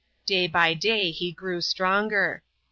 Day by day he grew stronger.